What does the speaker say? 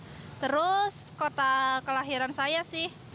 ya terus kota kelahiran saya sih